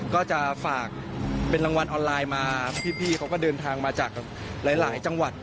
ก็จะฝากเป็นรางวัลออนไลน์มาพี่เขาก็เดินทางมาจากหลายจังหวัด